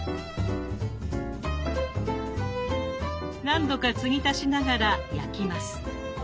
何度か継ぎ足しながら焼きます。